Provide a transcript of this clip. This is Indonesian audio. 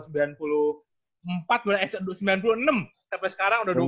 sembilan puluh enam sampai sekarang udah dua puluh empat tahun